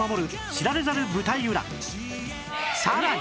さらに